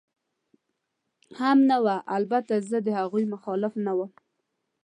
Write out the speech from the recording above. هم نه وه، البته زه د هغوی مخالف نه ووم.